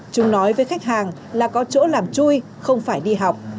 chúng nói với khách hàng là có chỗ làm chui không phải đi học